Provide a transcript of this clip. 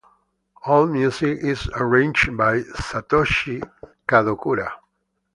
All music is arranged by Satoshi Kadokura.